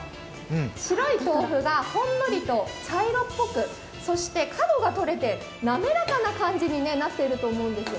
白い豆腐がほんのりと茶色っぽくそして角が取れて滑らかな感じになってると思うんですよ。